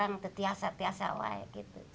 saya sudah berusia berusia dua tahun